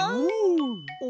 お！